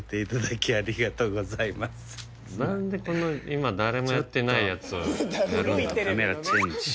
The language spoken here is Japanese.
何で今誰もやってないやつをやるんだろう。